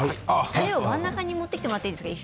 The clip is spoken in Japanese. たれを真ん中に持ってきてもらってもいいですか。